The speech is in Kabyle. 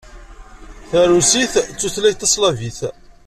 Tarusit d tutlayt taslavit.